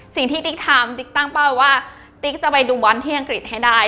ติ๊กทำติ๊กตั้งเป้าว่าติ๊กจะไปดูบอลที่อังกฤษให้ได้